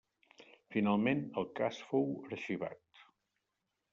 Finalment, el cas fou arxivat.